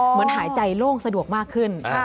เหมือนหายใจโล่งสะดวกมากขึ้น